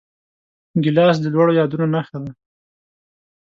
ګیلاس د لوړو یادونو نښه ده.